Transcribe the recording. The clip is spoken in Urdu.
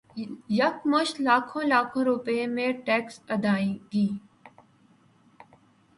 یکمشت لاکھوں لاکھوں روپے کے ٹیکس ادائیگی